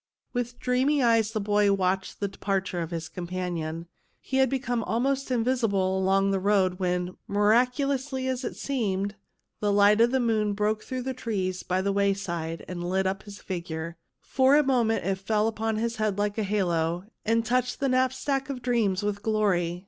With dreamy eyes the boy watched the de parture of his companion. He had become almost invisible along the road when, miracu lously as it seemed, the light of the moon broke through the trees by the wayside and lit up his figure. For a moment it fell upon his head like a halo, and touched the knapsack of dreams with glory.